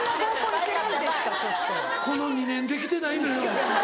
この２年できてないのよ。